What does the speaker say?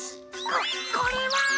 ここれは！